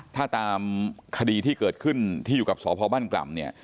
ถ้าตามคดีที่เกิดขึ้นที่อยู่กับสพบ้านกล่ำเนี่ย